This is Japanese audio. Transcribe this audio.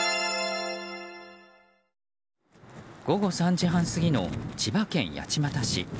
午後３時半過ぎの千葉県八街市。